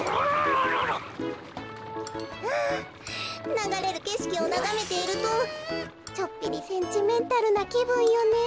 ながれるけしきをながめているとちょっぴりセンチメンタルなきぶんよね。